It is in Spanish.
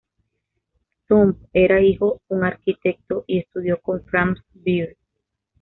Thumb era hijo un arquitecto y estudió con Franz Beer.